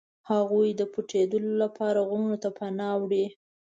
هغوی د پټېدلو لپاره غرونو ته پناه وړي.